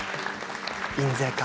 印税か。